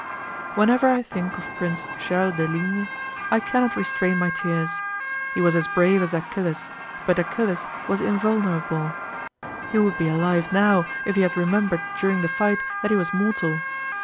Whenever I think of Prince Charles de Ligne I cannot restrain my tears. He was as brave as Achilles, but Achilles was invulnerable. He would be alive now if he had remembered during the fight that he was mortal.